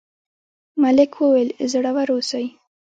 ملک وویل زړور اوسئ.